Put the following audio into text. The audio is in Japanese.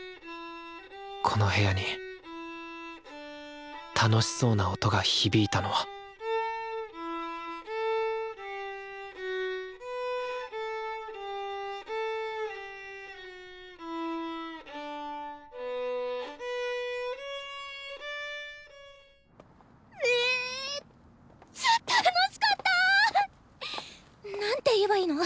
この部屋に楽しそうな音が響いたのはめっちゃ楽しかった！なんて言えばいいの？